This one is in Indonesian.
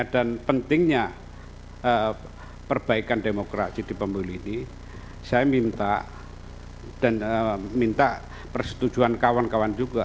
pentingnya perbaikan demokrasi di pemilu ini saya minta dan minta persetujuan kawan kawan juga